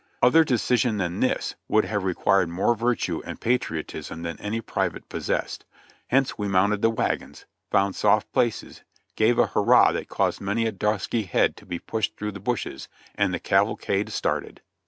Other decision than this would have required more virtue and patriotism than any private possessed, hence we mounted the wagons, found soft places, gave a "hurrah" that caused many a dusky head to be pushed through the bushes, and the cavalcade started.